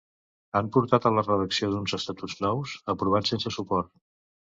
Han portat a la redacció d'uns estatuts nous, aprovats sense suport.